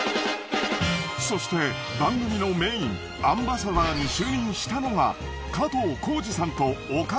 そして番組のメインアンバサダーに就任したのが。